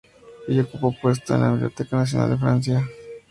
Ella ocupó un puesto en la Biblioteca Nacional de Francia desde ese mismo año.